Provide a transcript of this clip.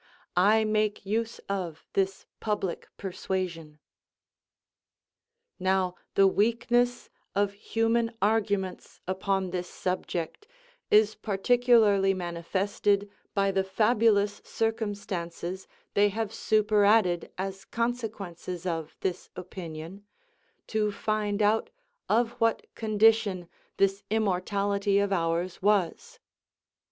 I make use of this public persuasion." Now the weakness of human arguments upon this subject is particularly manifested by the fabulous circumstances they have superadded as consequences of this opinion, to find out of what condition this immortality of ours was.